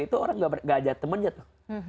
itu orang gak ada temannya tuh